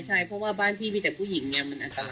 ใช่เพราะว่าบ้านพี่พีชมีแต่ผู้หญิงเงียบแล้ว